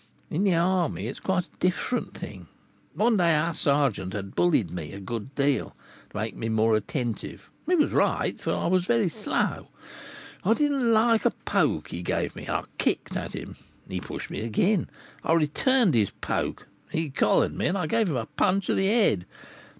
In the army it is quite a different thing. One day our sergeant had bullied me a good deal, to make me more attentive, he was right, for I was very slow; I did not like a poke he gave me, and I kicked at him; he pushed me again, I returned his poke; he collared me, and I gave him a punch of the head.